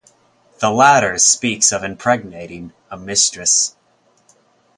The latter speaks of impregnating a mistress.